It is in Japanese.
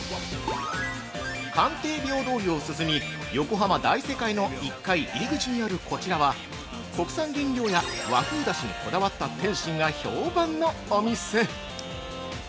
◆関帝廟通りを進み横浜大世界の一階入口にあるこちらは、国産原料や和風だしにこだわった点心が評判のお店。